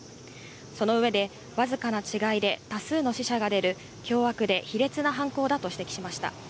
その上で、僅かな違いで多数の死者が出る凶悪で卑劣な犯行だと指摘しました。